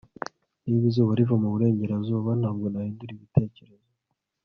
niba izuba riva mu burengerazuba, ntabwo nahindura ibitekerezo